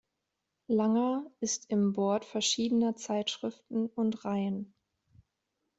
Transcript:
Langer ist im Board verschiedener Zeitschriften und Reihen.